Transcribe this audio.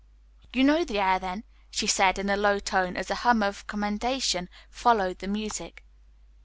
"You know the air then?" she said in a low tone, as a hum of commendation followed the music.